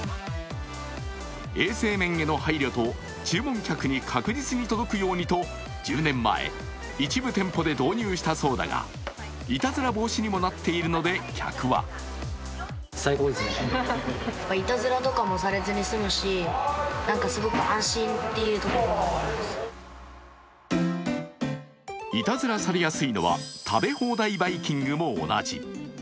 衛生面への配慮と、注文客へ着実に届くようにと１０年前、一部店舗で導入したようだが、いたずら防止にもなっているので、客はいたずらされやすいのは食べ放題バイキングも同じ。